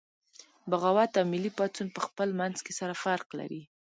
بغاوت او ملي پاڅون پخپل منځ کې سره فرق لري